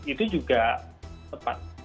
itu juga tepat